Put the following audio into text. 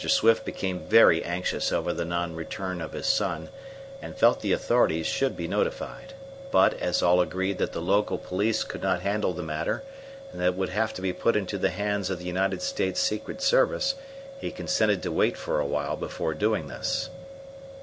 Swift became very anxious over the non return of his son, and felt the authorities should be notified; but as all agreed that the local police could not handle the matter and that it would have to be put into the hands of the United States Secret Service, he consented to wait for a while before doing this.